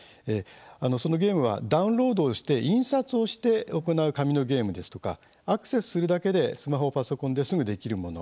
そのゲームはダウンロードして印刷して行う紙のゲームですとかアクセスするだけでスマホ、パソコンですぐできるもの。